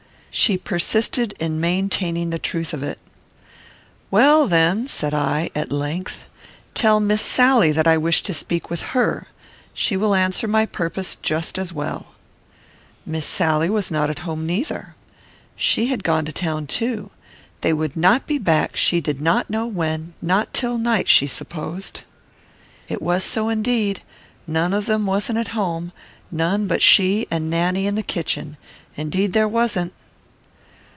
She persisted in maintaining the truth of it. "Well, then," said I, at length, "tell Miss Sally that I wish to speak with her. She will answer my purpose just as well." Miss Sally was not at home neither. She had gone to town too. They would not be back, she did not know when; not till night, she supposed. It was so indeed; none of them wasn't at home; none but she and Nanny in the kitchen: indeed there wasn't.